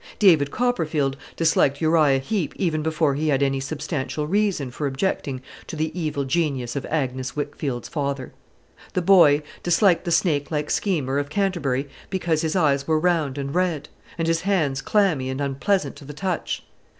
David Copperfield disliked Uriah Heep even before he had any substantial reason for objecting to the evil genius of Agnes Wickfield's father. The boy disliked the snake like schemer of Canterbury because his eyes were round and red, and his hands clammy and unpleasant to the touch.